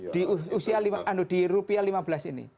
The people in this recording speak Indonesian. di usia rupiah lima belas ini